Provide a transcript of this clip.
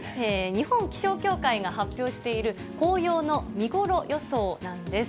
日本気象協会が発表している紅葉の見頃予想なんです。